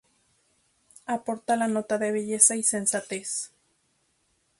Aporta la nota de belleza y sensatez.